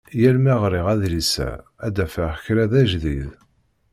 Yal mi ɣriɣ adlis-a, ad d-afeɣ kra d ajdid.